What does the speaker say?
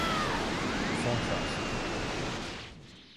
Son şansın.